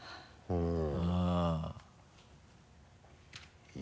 うん。